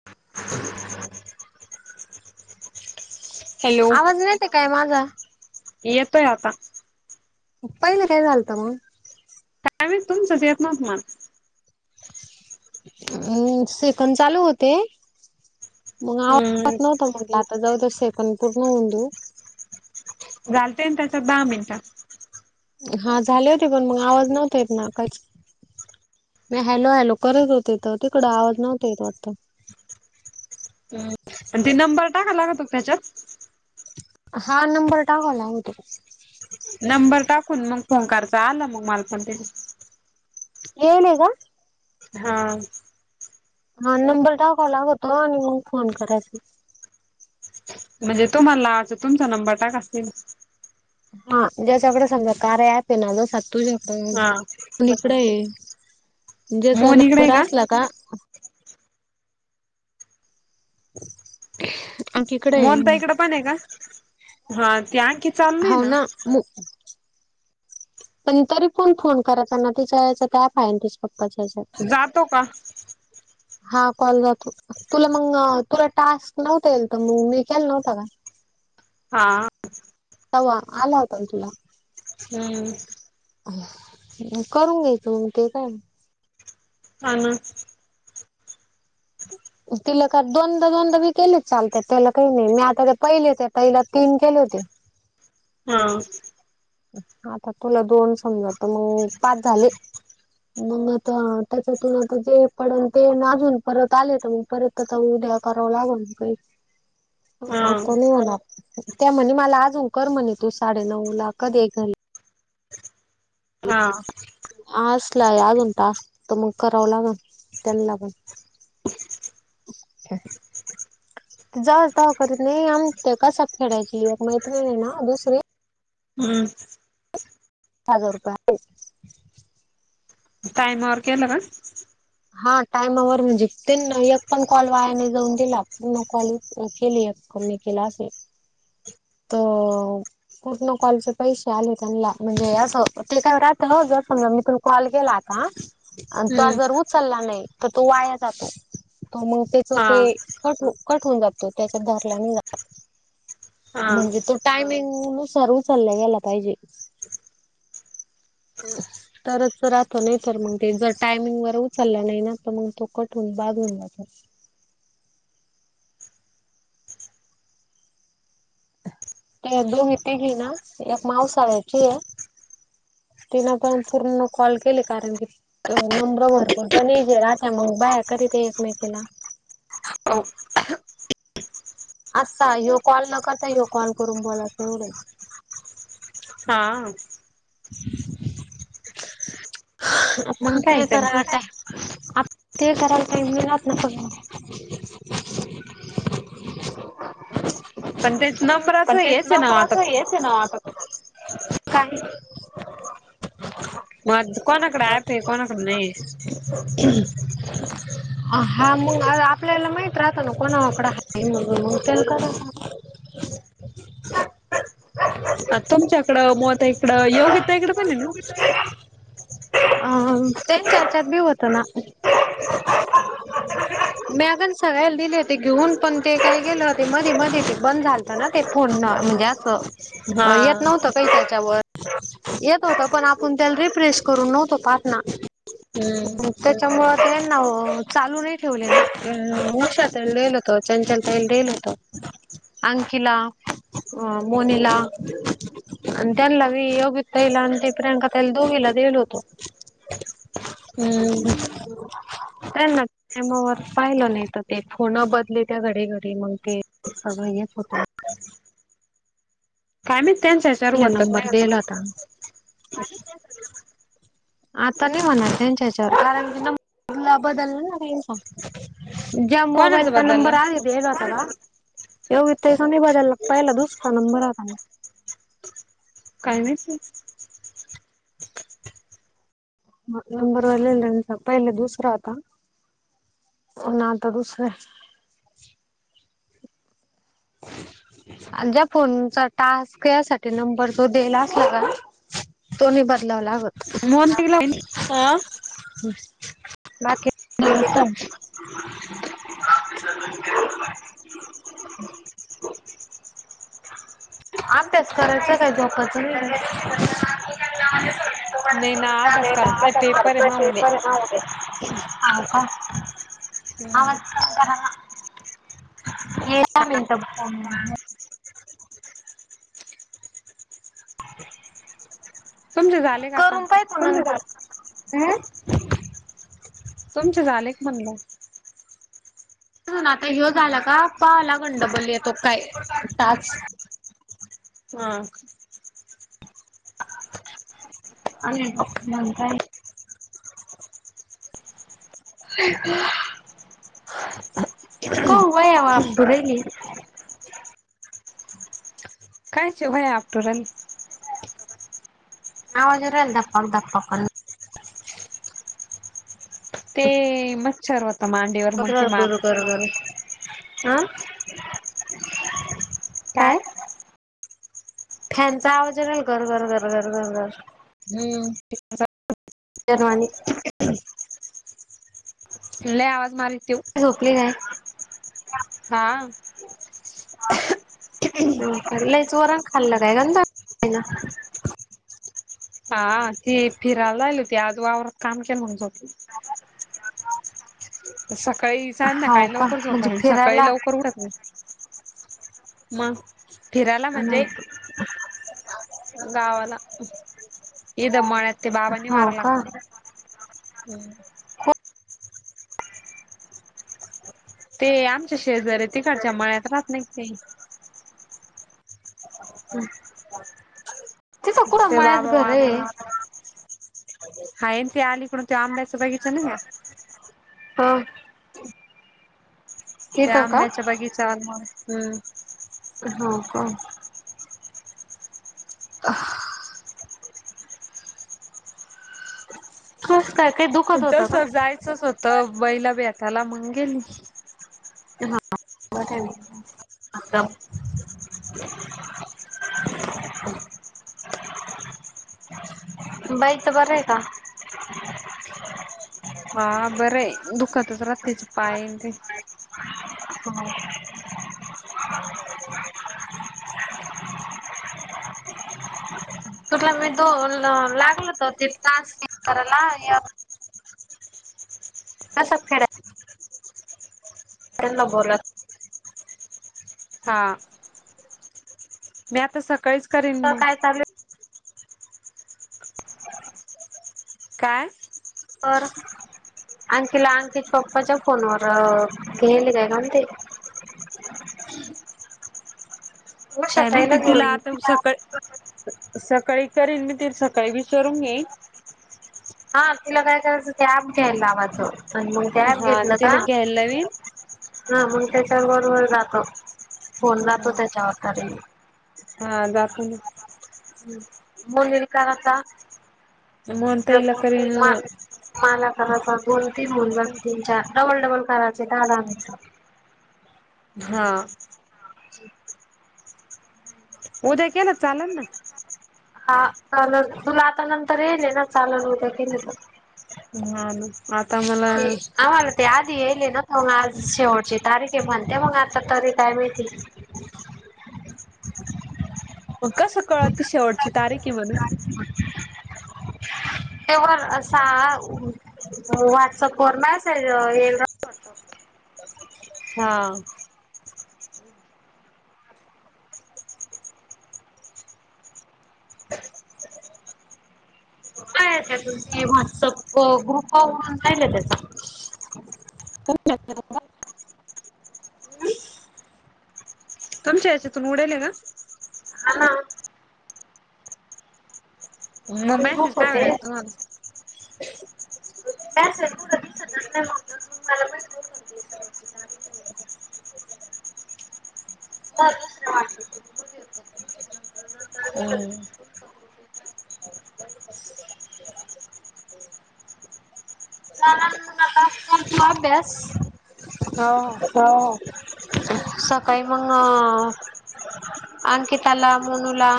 [unintelligible] आवाज येतैका माझा? येतोयं आता. [unintelligible] पहिला काय झालतं मग? ह्यावेळेस तुमचंच येत नव्हत मला. मुग सेकंद चालू होते. मग आव [unintelligible] हम्म येत नव्हता म्हटलं आता जाऊदे सेकंड पूर्ण होऊन दे. घालतेस काय तू दहा मिनटं? हां झाले होते पण मग आवाज नव्हता येत ना काहीच. मी हॅलो हॅलो करत होतेत तिकडं आवाज नव्हता येत वाटत. [unintelligible] आणि ते नंबर टाका लागत तो त्याच्यात. हां नंबर टावाला लागतो. नंबर टाकून मग फोन करता आला मग माल पण तिंथे. येयीनगा- हां- हां नंबर टिकाव लागतं आणि मगं फोन करायचं. म्हणजे तुम्हालाचं तुमचां नंबर टाका असतील. हां ज्याच्याकडे समजा कार्या अँपयेंग हा तुझाकडं [unintelligible] कडेयं ज्याचा मोहन इकडे नंबर आहे आसला का? [unintelligible] आमच्या इकडे आहे मोहनताईकड पणी आहे का? हां त्यां- होना मु पण तरीपण फोन करायचा ना तीच्या ह्याचा गॅप आहे न तिच्या पप्पाच्या हातात जातो का? हां कॉल जातो तुला मगं तुला टास्क नव्हता येईल तर मग मी केलं नव्हतां काय? हां- तव आला होता व्हय तुला? हुं- [inaudible] करून घ्यायंच मगं ते काय? ाान तिला का दोनदा दोनदा भी केले चालते त्याला काही नाही मी आता ते पहिले होते त्याला तीन केले होते. हा आता तुला दोन समजा तर मग पाच झाले. मग आता त्याच्यातून आता जे पडल ते अजून परत आले मग परत त्याचा उद्या करावं लागल न काही हा आता नाही होणार त्या म्हणल्या मला अजून कर म्हणल्या साडे नऊ ला कधी एक घाली. हा असेल अजुन टास्क तर करावं लागलं त्यांना पण ह जाऊ जा करत नाही आम कसात खेळायची मैत्री नाही ना दुसरे हम्म काय करताय? टाईमवर केलं का? हा टाइमवर म्हणजे ते एक पण कॉल वायाने जाऊन दिला पण कॉल केली एक कमी केला असेल तोच पूर्ण कॉलचे पैसे आले त्यांना म्हणजे असं काय राहत हो जमजा मी कॉल केला होता तो हम्म जर उच चालला नाही तर तो वाया जातो तर मग त्याच तो हा कट हो. कट होऊन जातो त्याच्यात धरला नाही जात. हा म्हणजे तो टायमिंग नुसार उचलला गेला पाहिजे. ह [inaudible] तरच तो राहतो नाहीतर मग त्याच्या टायमिंगवर उचलला नाही न तर मग तो कट होऊन बाद होउन जातो. ते एक दोघी तिघी ना एक मावसाळ्याची आहे. तिन पण पूर्ण कॉल केली कारण की ती नम्र भरपूरचा नजे राह मग बाहेर करी ते एकमेकीला. हो. असा हा कॉल न करता हा कॉल करून बोलायचं एवढंच. हा. [unintelligible] मग आपण काय ते तर करावा टाई आप ते करावा टाईम मिलात न प पण तेच ना. पण तेच आता नंबरच ना काही. मग कोणाकडे ऍप आहे कोणाकडे नाही. ह [unintelligible] हा मग आपल्याला माहित राहत ना कोणावाकडे आहे माणसं मग त्याला कराव. आ तुमच्याकडं मुआ ताईकडे योगी ताईकडे पण आहे ना. आ त्यांच्या ह्याच्यात भी होत ना. मी अगं सगळ्यांना दिले होते घेऊन पण ते काही गेले ते मधेमधे बंद झाले. ना ते फोन म्हणजे असं हा येत नव्हतं काही त्याच्यावर. येत होत पण आपण त्याला रिफ्रेश करून नव्हतो पाठना. हम्म. त्याच्यामुळ तेना चालू नाही ठेवले ना उशत डेल होत चंचलताईल डडील होतं. अंकिला अ मोनिला. अ तेला बि योगीता ताइला अणी ते प्रियांका ताईल दोघीला दिलेलो होतो. हम्म. का ना त्यामावर पाहिलं नाही तर ते फोन बदली त्या घरी घरी मग ते. सगळ येत होतं. काय माहित त्यांच्या ह्याच्यावर पहिला होत का नंबर नाही आता दिला मग. होता आता नाही म्हणाल त्यांच्या याच्यावर कारणला बदललं ना त्यांचा. ज्या कोणाच मोबाइलचा बदलला नंबर आहे. हेग आातला योगीता ताईचा नाही बदलला पहिला दुसरा नंबर आता. काय नाही. नंबर वन पहिले दुसरा आता. ना तर दुसरे. ज्या फोनचा टास्क यासाठी नंबर जो दिला असला का. तो नाही बदलावा लागतं. मग तीला ह. [inaudible] अभ्यास करायचा काय झोपच. नाही ना अभ्यास करायचा पेपर आहे मग उद्या [unintelligible] [inaudible] [unintelligible] तुमचे झाले का आता करून काय तुम्. तुमचे झाले क म्हणलं. ना आता हो झाला का पायला गंडबल्ली येतो काय टाच हा. आणि मण काय. ह [unintelligible] क वय आव आपतू रहिली.... कायच होय आपटू राहिली. हजरेल दपक दपक [unintelligible] ते मच्छर होता मा... मग तर बरोबर बरोबर... आं काय? फॅनचा आवाज लय घर घर घर घर घ घर.... हम्म फॅनचा.... दरवाणी.... लय आवाज मारी तो.... झोपली हाय.... हा.... लईच वरण खाल्लं काय ग... हा ती फिरायला आली होती आज वावरात काम केलं म्हण हो... सकाळी हाव संध्याकाळी का लवकर झोपत म्हणजे नाही सकाळी फिरायला लवकर उठत नाही... मग फिरायला म्हणजे.... गावाला एकदा मळ्यात ते बाबानी मारयला का? [inaudible] ती आमच्या शेजारी तिकडच्या मळ्यात राहत नाही ते..... हम्..... ते बाबा वा.... आहे हा ते आलीकडून ते आंब्याच बगीचान का? हा.... त्या तिथं का आंब्याच्या बागीचा हम्म.... हो का? हस.... [unintelligible] तस का जायचंच होतं बईला भेटायला मग गेली.... हॅलो..... बाईच बरं आहे का? हा बरं आहे दुखतच रात्रीचे पाय ते.... हम [unintelligible] तुठला मी दोन लागल तर ते त्रास करायला. असंच करायचं. त्यानं बोलायचं... हा... मी आता सकाळीच करीन तर मग..... काय चालू काय? तर अंकीला अंकीच्या पप्पाच्या फोनवर घ्याले काय का म्हण ते........ उषा काय म ते ताईला तिला आता घेऊन सकट..... सकाळी करेन मी ते सकाळी व विचारून येईन..... हा तिला काय करायचं अँप घ्याल लावायचा चं आणि मग अँप हा घेतलं का? तिला घ्यायला लावीन हा मग त्याच्याबरोबर राहतो फोन राहतो त्याच्यावर तरी.... हा जाताना...... हम् मन का? मोहन ताईला करीन मला आता दोन तीन मुनज तीन चार डबल डबल कराचे धाडा मिळतो. हा हा..... उद्या केला चालाल ना.... हा चाल तुला आता नंतर येल ना चाल होत त तर हा आता मला त्या आधी येले ना तर मग आज शेवटची तारखे म्हणते मग आता तरी काय माहिती मग कसं कळत शेवट तार क ब ह तेवर अस वॉट्सअप वर मळ ह हा काय आहे त्या तुम व्हॉट्सअप ग्रुप म्हणून राहिल त्याचा कमच्या यायच तुून उडेल का ह मग दोन मॅसेज ग्रुप होते कायर तो तु दिसत अस नाही मग मला मेसेज होती शेवटची तारीख दुसंत हम् करत अभ्यास हो सकाळी मग अंकिताला मोनूला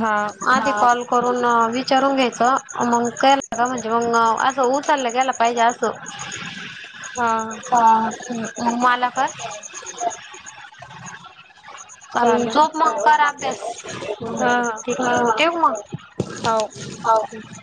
हा अ ते कॉल करून विचारून घ्यायचं मग केला का म्हणजे मग असं उचललं गेयला पाहिजे असं हा अ मालाकर चाल झोप मग कर अभ्यास हा ठीक आहे ठेवू मग हा हो हो हो